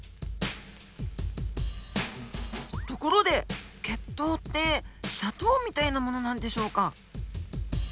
ところで血糖って砂糖みたいなものなんでしょうか？